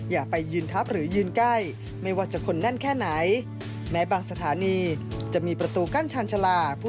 อย่าไปยืนทัพหรือยืนใกล้